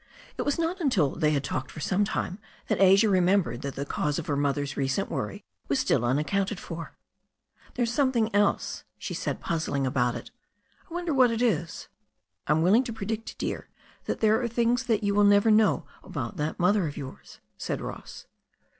It was not until they had talked for some time that Asia remembered that the cause of her mother's recent worry was still unaccounted for. "There's something else," she said, puzzling about it. *T wonder what it is." "I'm willing to predict, dear, that there are things that you will never know about that mother of yours," said Ross.